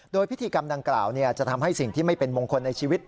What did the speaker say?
โดยพิธีกรรมดังกล่าวจะทำให้สิ่งที่ไม่เป็นมงคลในชีวิต